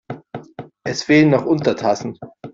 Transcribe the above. Es fehlen noch Untertassen.